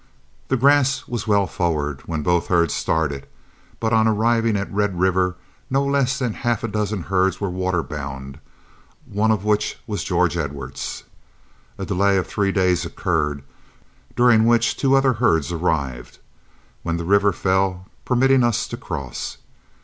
The grass was well forward when both herds started, but on arriving at Red River no less than half a dozen herds were waterbound, one of which was George Edwards's. A delay of three days occurred, during which two other herds arrived, when the river fell, permitting us to cross.